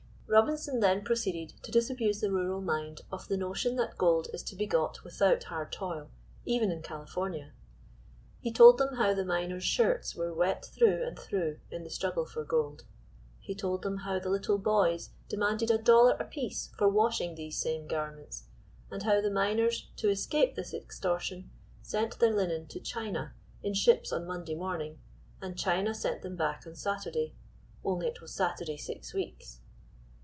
Robinson then proceeded to disabuse the rural mind of the notion that gold is to be got without hard toil, even in California. He told them how the miners' shirts were wet through and through in the struggle for gold; he told them how the little boys demanded a dollar apiece for washing these same garments; and how the miners to escape this extortion sent their linen to China in ships on Monday morning, and China sent them back on Saturday, only it was Saturday six weeks.